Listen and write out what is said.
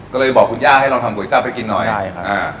ก็เลยบอกคุณย่าให้ลองทำก๋วยจับให้กินหน่อยใช่ครับอ่า